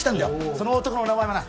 その男の名前はな